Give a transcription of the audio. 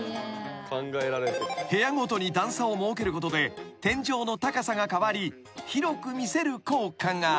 ［部屋ごとに段差を設けることで天井の高さが変わり広く見せる効果が］